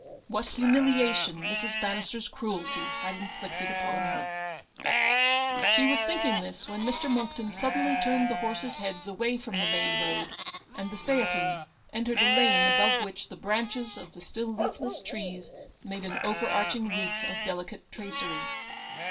What humiliation Mrs. Bannis ter's cruelty had inflicted upon her ! She was thinking this when Mr. Monckton 250 suddenly turned his horses' heads away from the main road, and the phaeton entered a lane above which the branches of the still leafless trees made an overarching roof of delicate tracery.